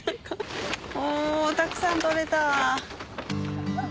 たくさん採れた。